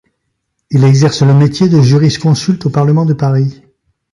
Il exerce le métier de jurisconsulte au parlement de Paris.